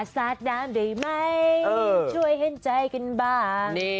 สาดน้ำได้ไหมช่วยเห็นใจกันบ้าง